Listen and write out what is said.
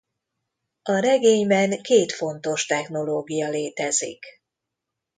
A regényben két fontos technológia létezik.